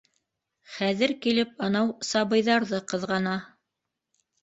Хәҙер килеп анау сабыйҙарҙы ҡыҙғана.